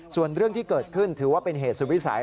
ส่วนเรื่องที่เกิดขึ้นถือว่าเป็นเหตุสุดวิสัย